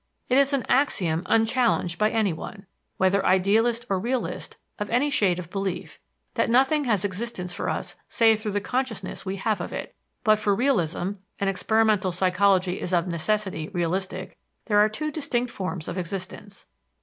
It is an axiom unchallenged by anyone whether idealist or realist of any shade of belief that nothing has existence for us save through the consciousness we have of it; but for realism and experimental psychology is of necessity realistic there are two distinct forms of existence.